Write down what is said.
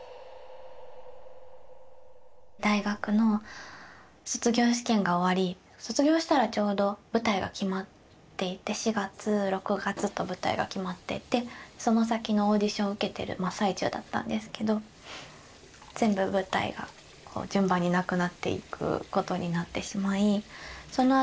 大学の卒業試験が終わり卒業したらちょうど舞台が決まっていて４月６月と舞台が決まっていてその先のオーディションを受けてる真っ最中だったんですけど全部舞台が順番になくなっていくことになってしまいその